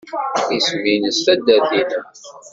Isem-nnes taddart-nnem?